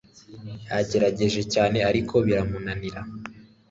yagerageje cyane, ariko biramunanira